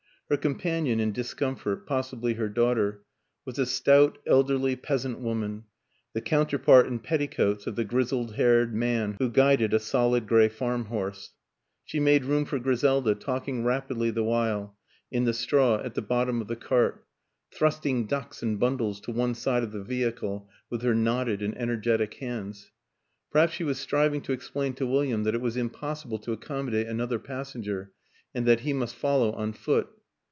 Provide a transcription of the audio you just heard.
Her companion in discomfort possibly her daughter was a stout, elderly peas ant woman, the counterpart in petticoats of the grizzled haired man who guided a solid gray farmhorse. She made room for Griselda, talk ing rapidly the while, in the straw at the bottom 162 WILLIAM AN ENGLISHMAN of the cart thrusting ducks and bundles to one side of the vehicle with her knotted and energetic hands; perhaps she was striving to explain to William that it was impossible to accommodate another passenger and that he must follow on foot.